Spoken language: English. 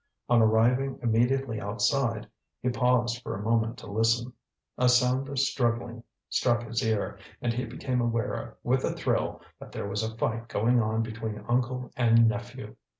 On arriving immediately outside, he paused for a moment to listen. A sound of struggling struck his ear, and he became aware with a thrill that there was a fight going on between uncle and nephew.